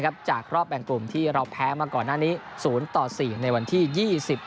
ครับจากรอบแบ่งกลุ่มที่เราแพ้มาก่อนหน้านี้ศูนย์ต่อสี่ในวันที่ยี่สิบ